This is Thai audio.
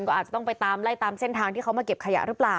ก็อาจจะต้องไปตามไล่ตามเส้นทางที่เขามาเก็บขยะหรือเปล่า